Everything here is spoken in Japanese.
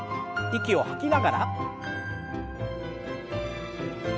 息を吐きながら。